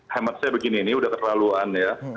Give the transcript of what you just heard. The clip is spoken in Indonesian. hemat saya begini ini sudah kelaluan ya